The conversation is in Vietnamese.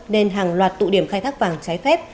nên hàng loạt tụ điểm khai thác vàng trái phép